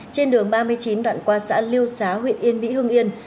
trên đường ba mươi chín đoạn qua xã lưu xá huyện yên vĩ hưng yên